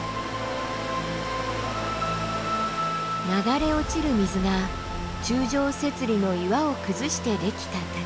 流れ落ちる水が柱状節理の岩を崩してできた滝。